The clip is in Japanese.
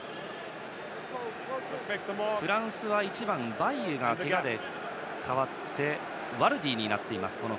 フランスは１番の選手がけがで代わって、この開幕戦はワルディになっています。